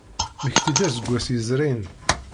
Mmekti-d aseggas yezrin.